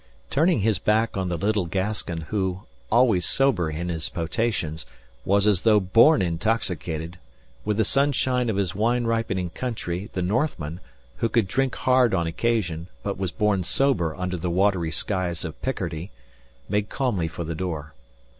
Turning his back on the little Gascon who, always sober in his potations, was as though born intoxicated, with the sunshine of his wine ripening country, the northman, who could drink hard on occasion, but was born sober under the watery skies of Picardy, made calmly for the door.